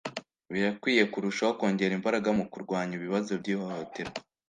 birakwiye kurushaho kongera imbaraga mu kurwanya ibibazo by'ihohoterwa